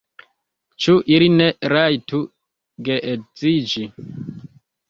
Ĉu ili ne rajtu geedziĝi?